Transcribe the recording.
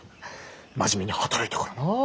真面目に働いたからな。